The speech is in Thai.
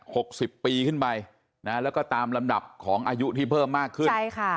สิบปีขึ้นไปนะแล้วก็ตามลำดับของอายุที่เพิ่มมากขึ้นใช่ค่ะ